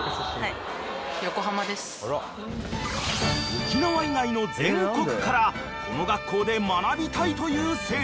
［沖縄以外の全国からこの学校で学びたいという生徒が］